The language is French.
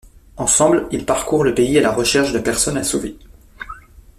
Ensemble, ils parcourent le pays à la recherche de personnes à sauver.